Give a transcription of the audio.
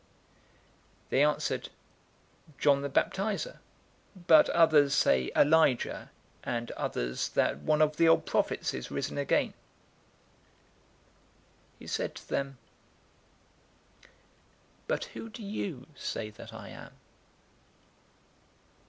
009:019 They answered, "'John the Baptizer,' but others say, 'Elijah,' and others, that one of the old prophets is risen again." 009:020 He said to them, "But who do you say that I am?"